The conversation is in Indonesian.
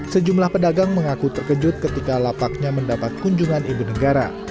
sejumlah pedagang mengaku terkejut ketika lapaknya mendapat kunjungan ibu negara